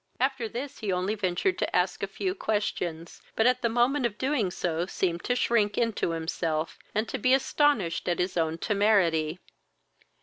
After this he only ventured to ask a few questions, but at the moment of doing so seemed to shrink into himself, and to be astonished at his own temerity.